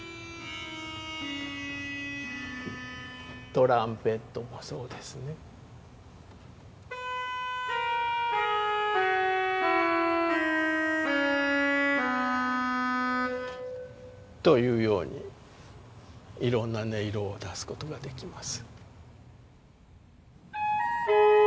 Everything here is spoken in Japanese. トランペットもそうですね。というようにいろんな音色を足すことができます。